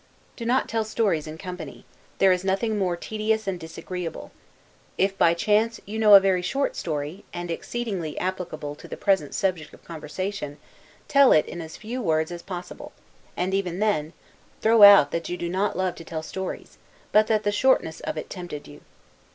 Do not tell stories in company; there is nothing more tedious and disagreeable; if by chance you know a very short story, and exceedingly applicable to the present subject of conversation, tell it in as few words as possible; and even then, throw out that you do not love to tell stories; but that the shortness of it tempted you.